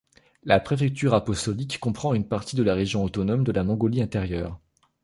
La préfecture apostolique comprend une partie de la région autonome de la Mongolie-Intérieure.